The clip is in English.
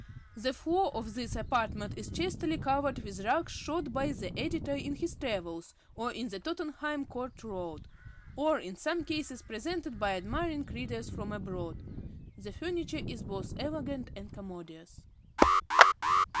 The floor of this apartment is chastely covered with rugs shot by the Editor in his travels, or in the Tottenham Court Road; or, in some cases, presented by admiring readers from abroad. The furniture is both elegant and commodious.